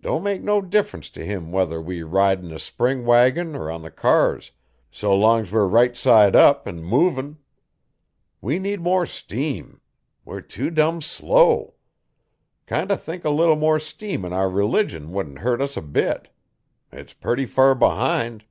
Don' make no difference t' him whuther we ride 'n a spring wagon er on the cars so long's we're right side up 'n movin'. We need more steam; we're too dum slow. Kind o' think a leetle more steam in our religion wouldn't hurt us a bit. It's purty fur behind.'